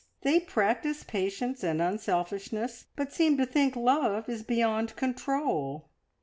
They practise patience and unselfishness, but seem to think love is beyond control.